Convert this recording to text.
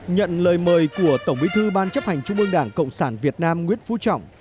nhận lời mời của tổng bí thư ban chấp hành trung ương đảng cộng sản việt nam nguyễn phú trọng